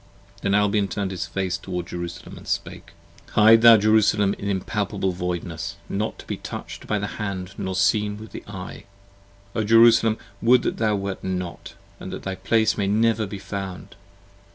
25 Then Albion turn'd his face toward Jerusalem & spake. Hide thou, Jerusalem, in empalpable voidness, not to be Touch'd by the hand nor seen with the eye: O Jerusalem, Would thou wert not & that thy place might never be found.